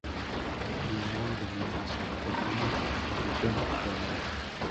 Bienal de Venecia italiana Pabellón Italiano.